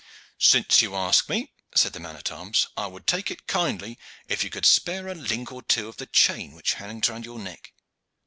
"Since you ask me," said the man at arms, "I would take it kindly if you could spare a link or two of the chain which hangs round your neck."